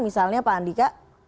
misalnya pak andika